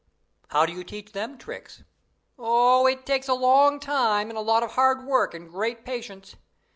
"How do you teach them tricks?" "Oh, it takes a long time and a lot of hard work and great patience.